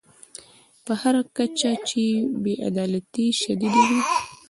په هر کچه چې بې عدالتي شدیده وي.